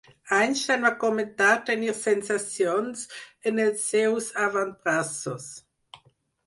Einstein va comentar tenir sensacions en els seus avantbraços.